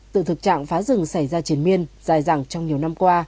tự thực trạng phá rừng xảy ra triển miên dài dặng trong nhiều năm qua